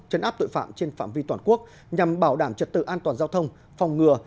chấn áp tội phạm trên phạm vi toàn quốc nhằm bảo đảm trật tự an toàn giao thông phòng ngừa